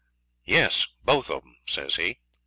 'Yes; both of 'em,' says he.